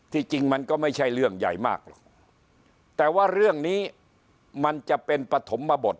จริงมันก็ไม่ใช่เรื่องใหญ่มากหรอกแต่ว่าเรื่องนี้มันจะเป็นปฐมบท